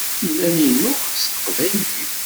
Yella Linux s teqbaylit?